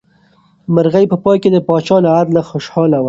مرغۍ په پای کې د پاچا له عدله خوشحاله شوه.